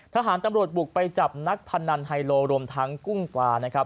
ทหารตำรวจบุกไปจับนักพนันไฮโลรวมทั้งกุ้งปลานะครับ